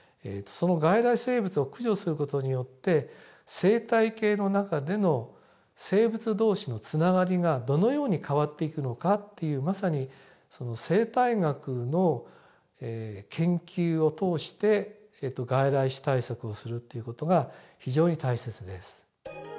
その外来生物を駆除する事によって生態系の中での生物同士のつながりがどのように変わっていくのかっていうまさに生態学の研究を通して外来種対策をするっていう事が非常に大切です。